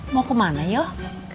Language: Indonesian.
mau kemana yoh